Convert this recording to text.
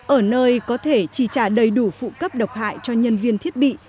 ở nơi có thể chỉ trả đầy đủ phụ cấp độc hại cho nhân viên thiết bị